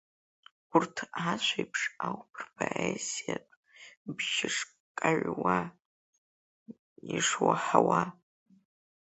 Урҭ ашәеиԥш ауп рпоезиатә бжьы шкаҩуа, ишуаҳауа.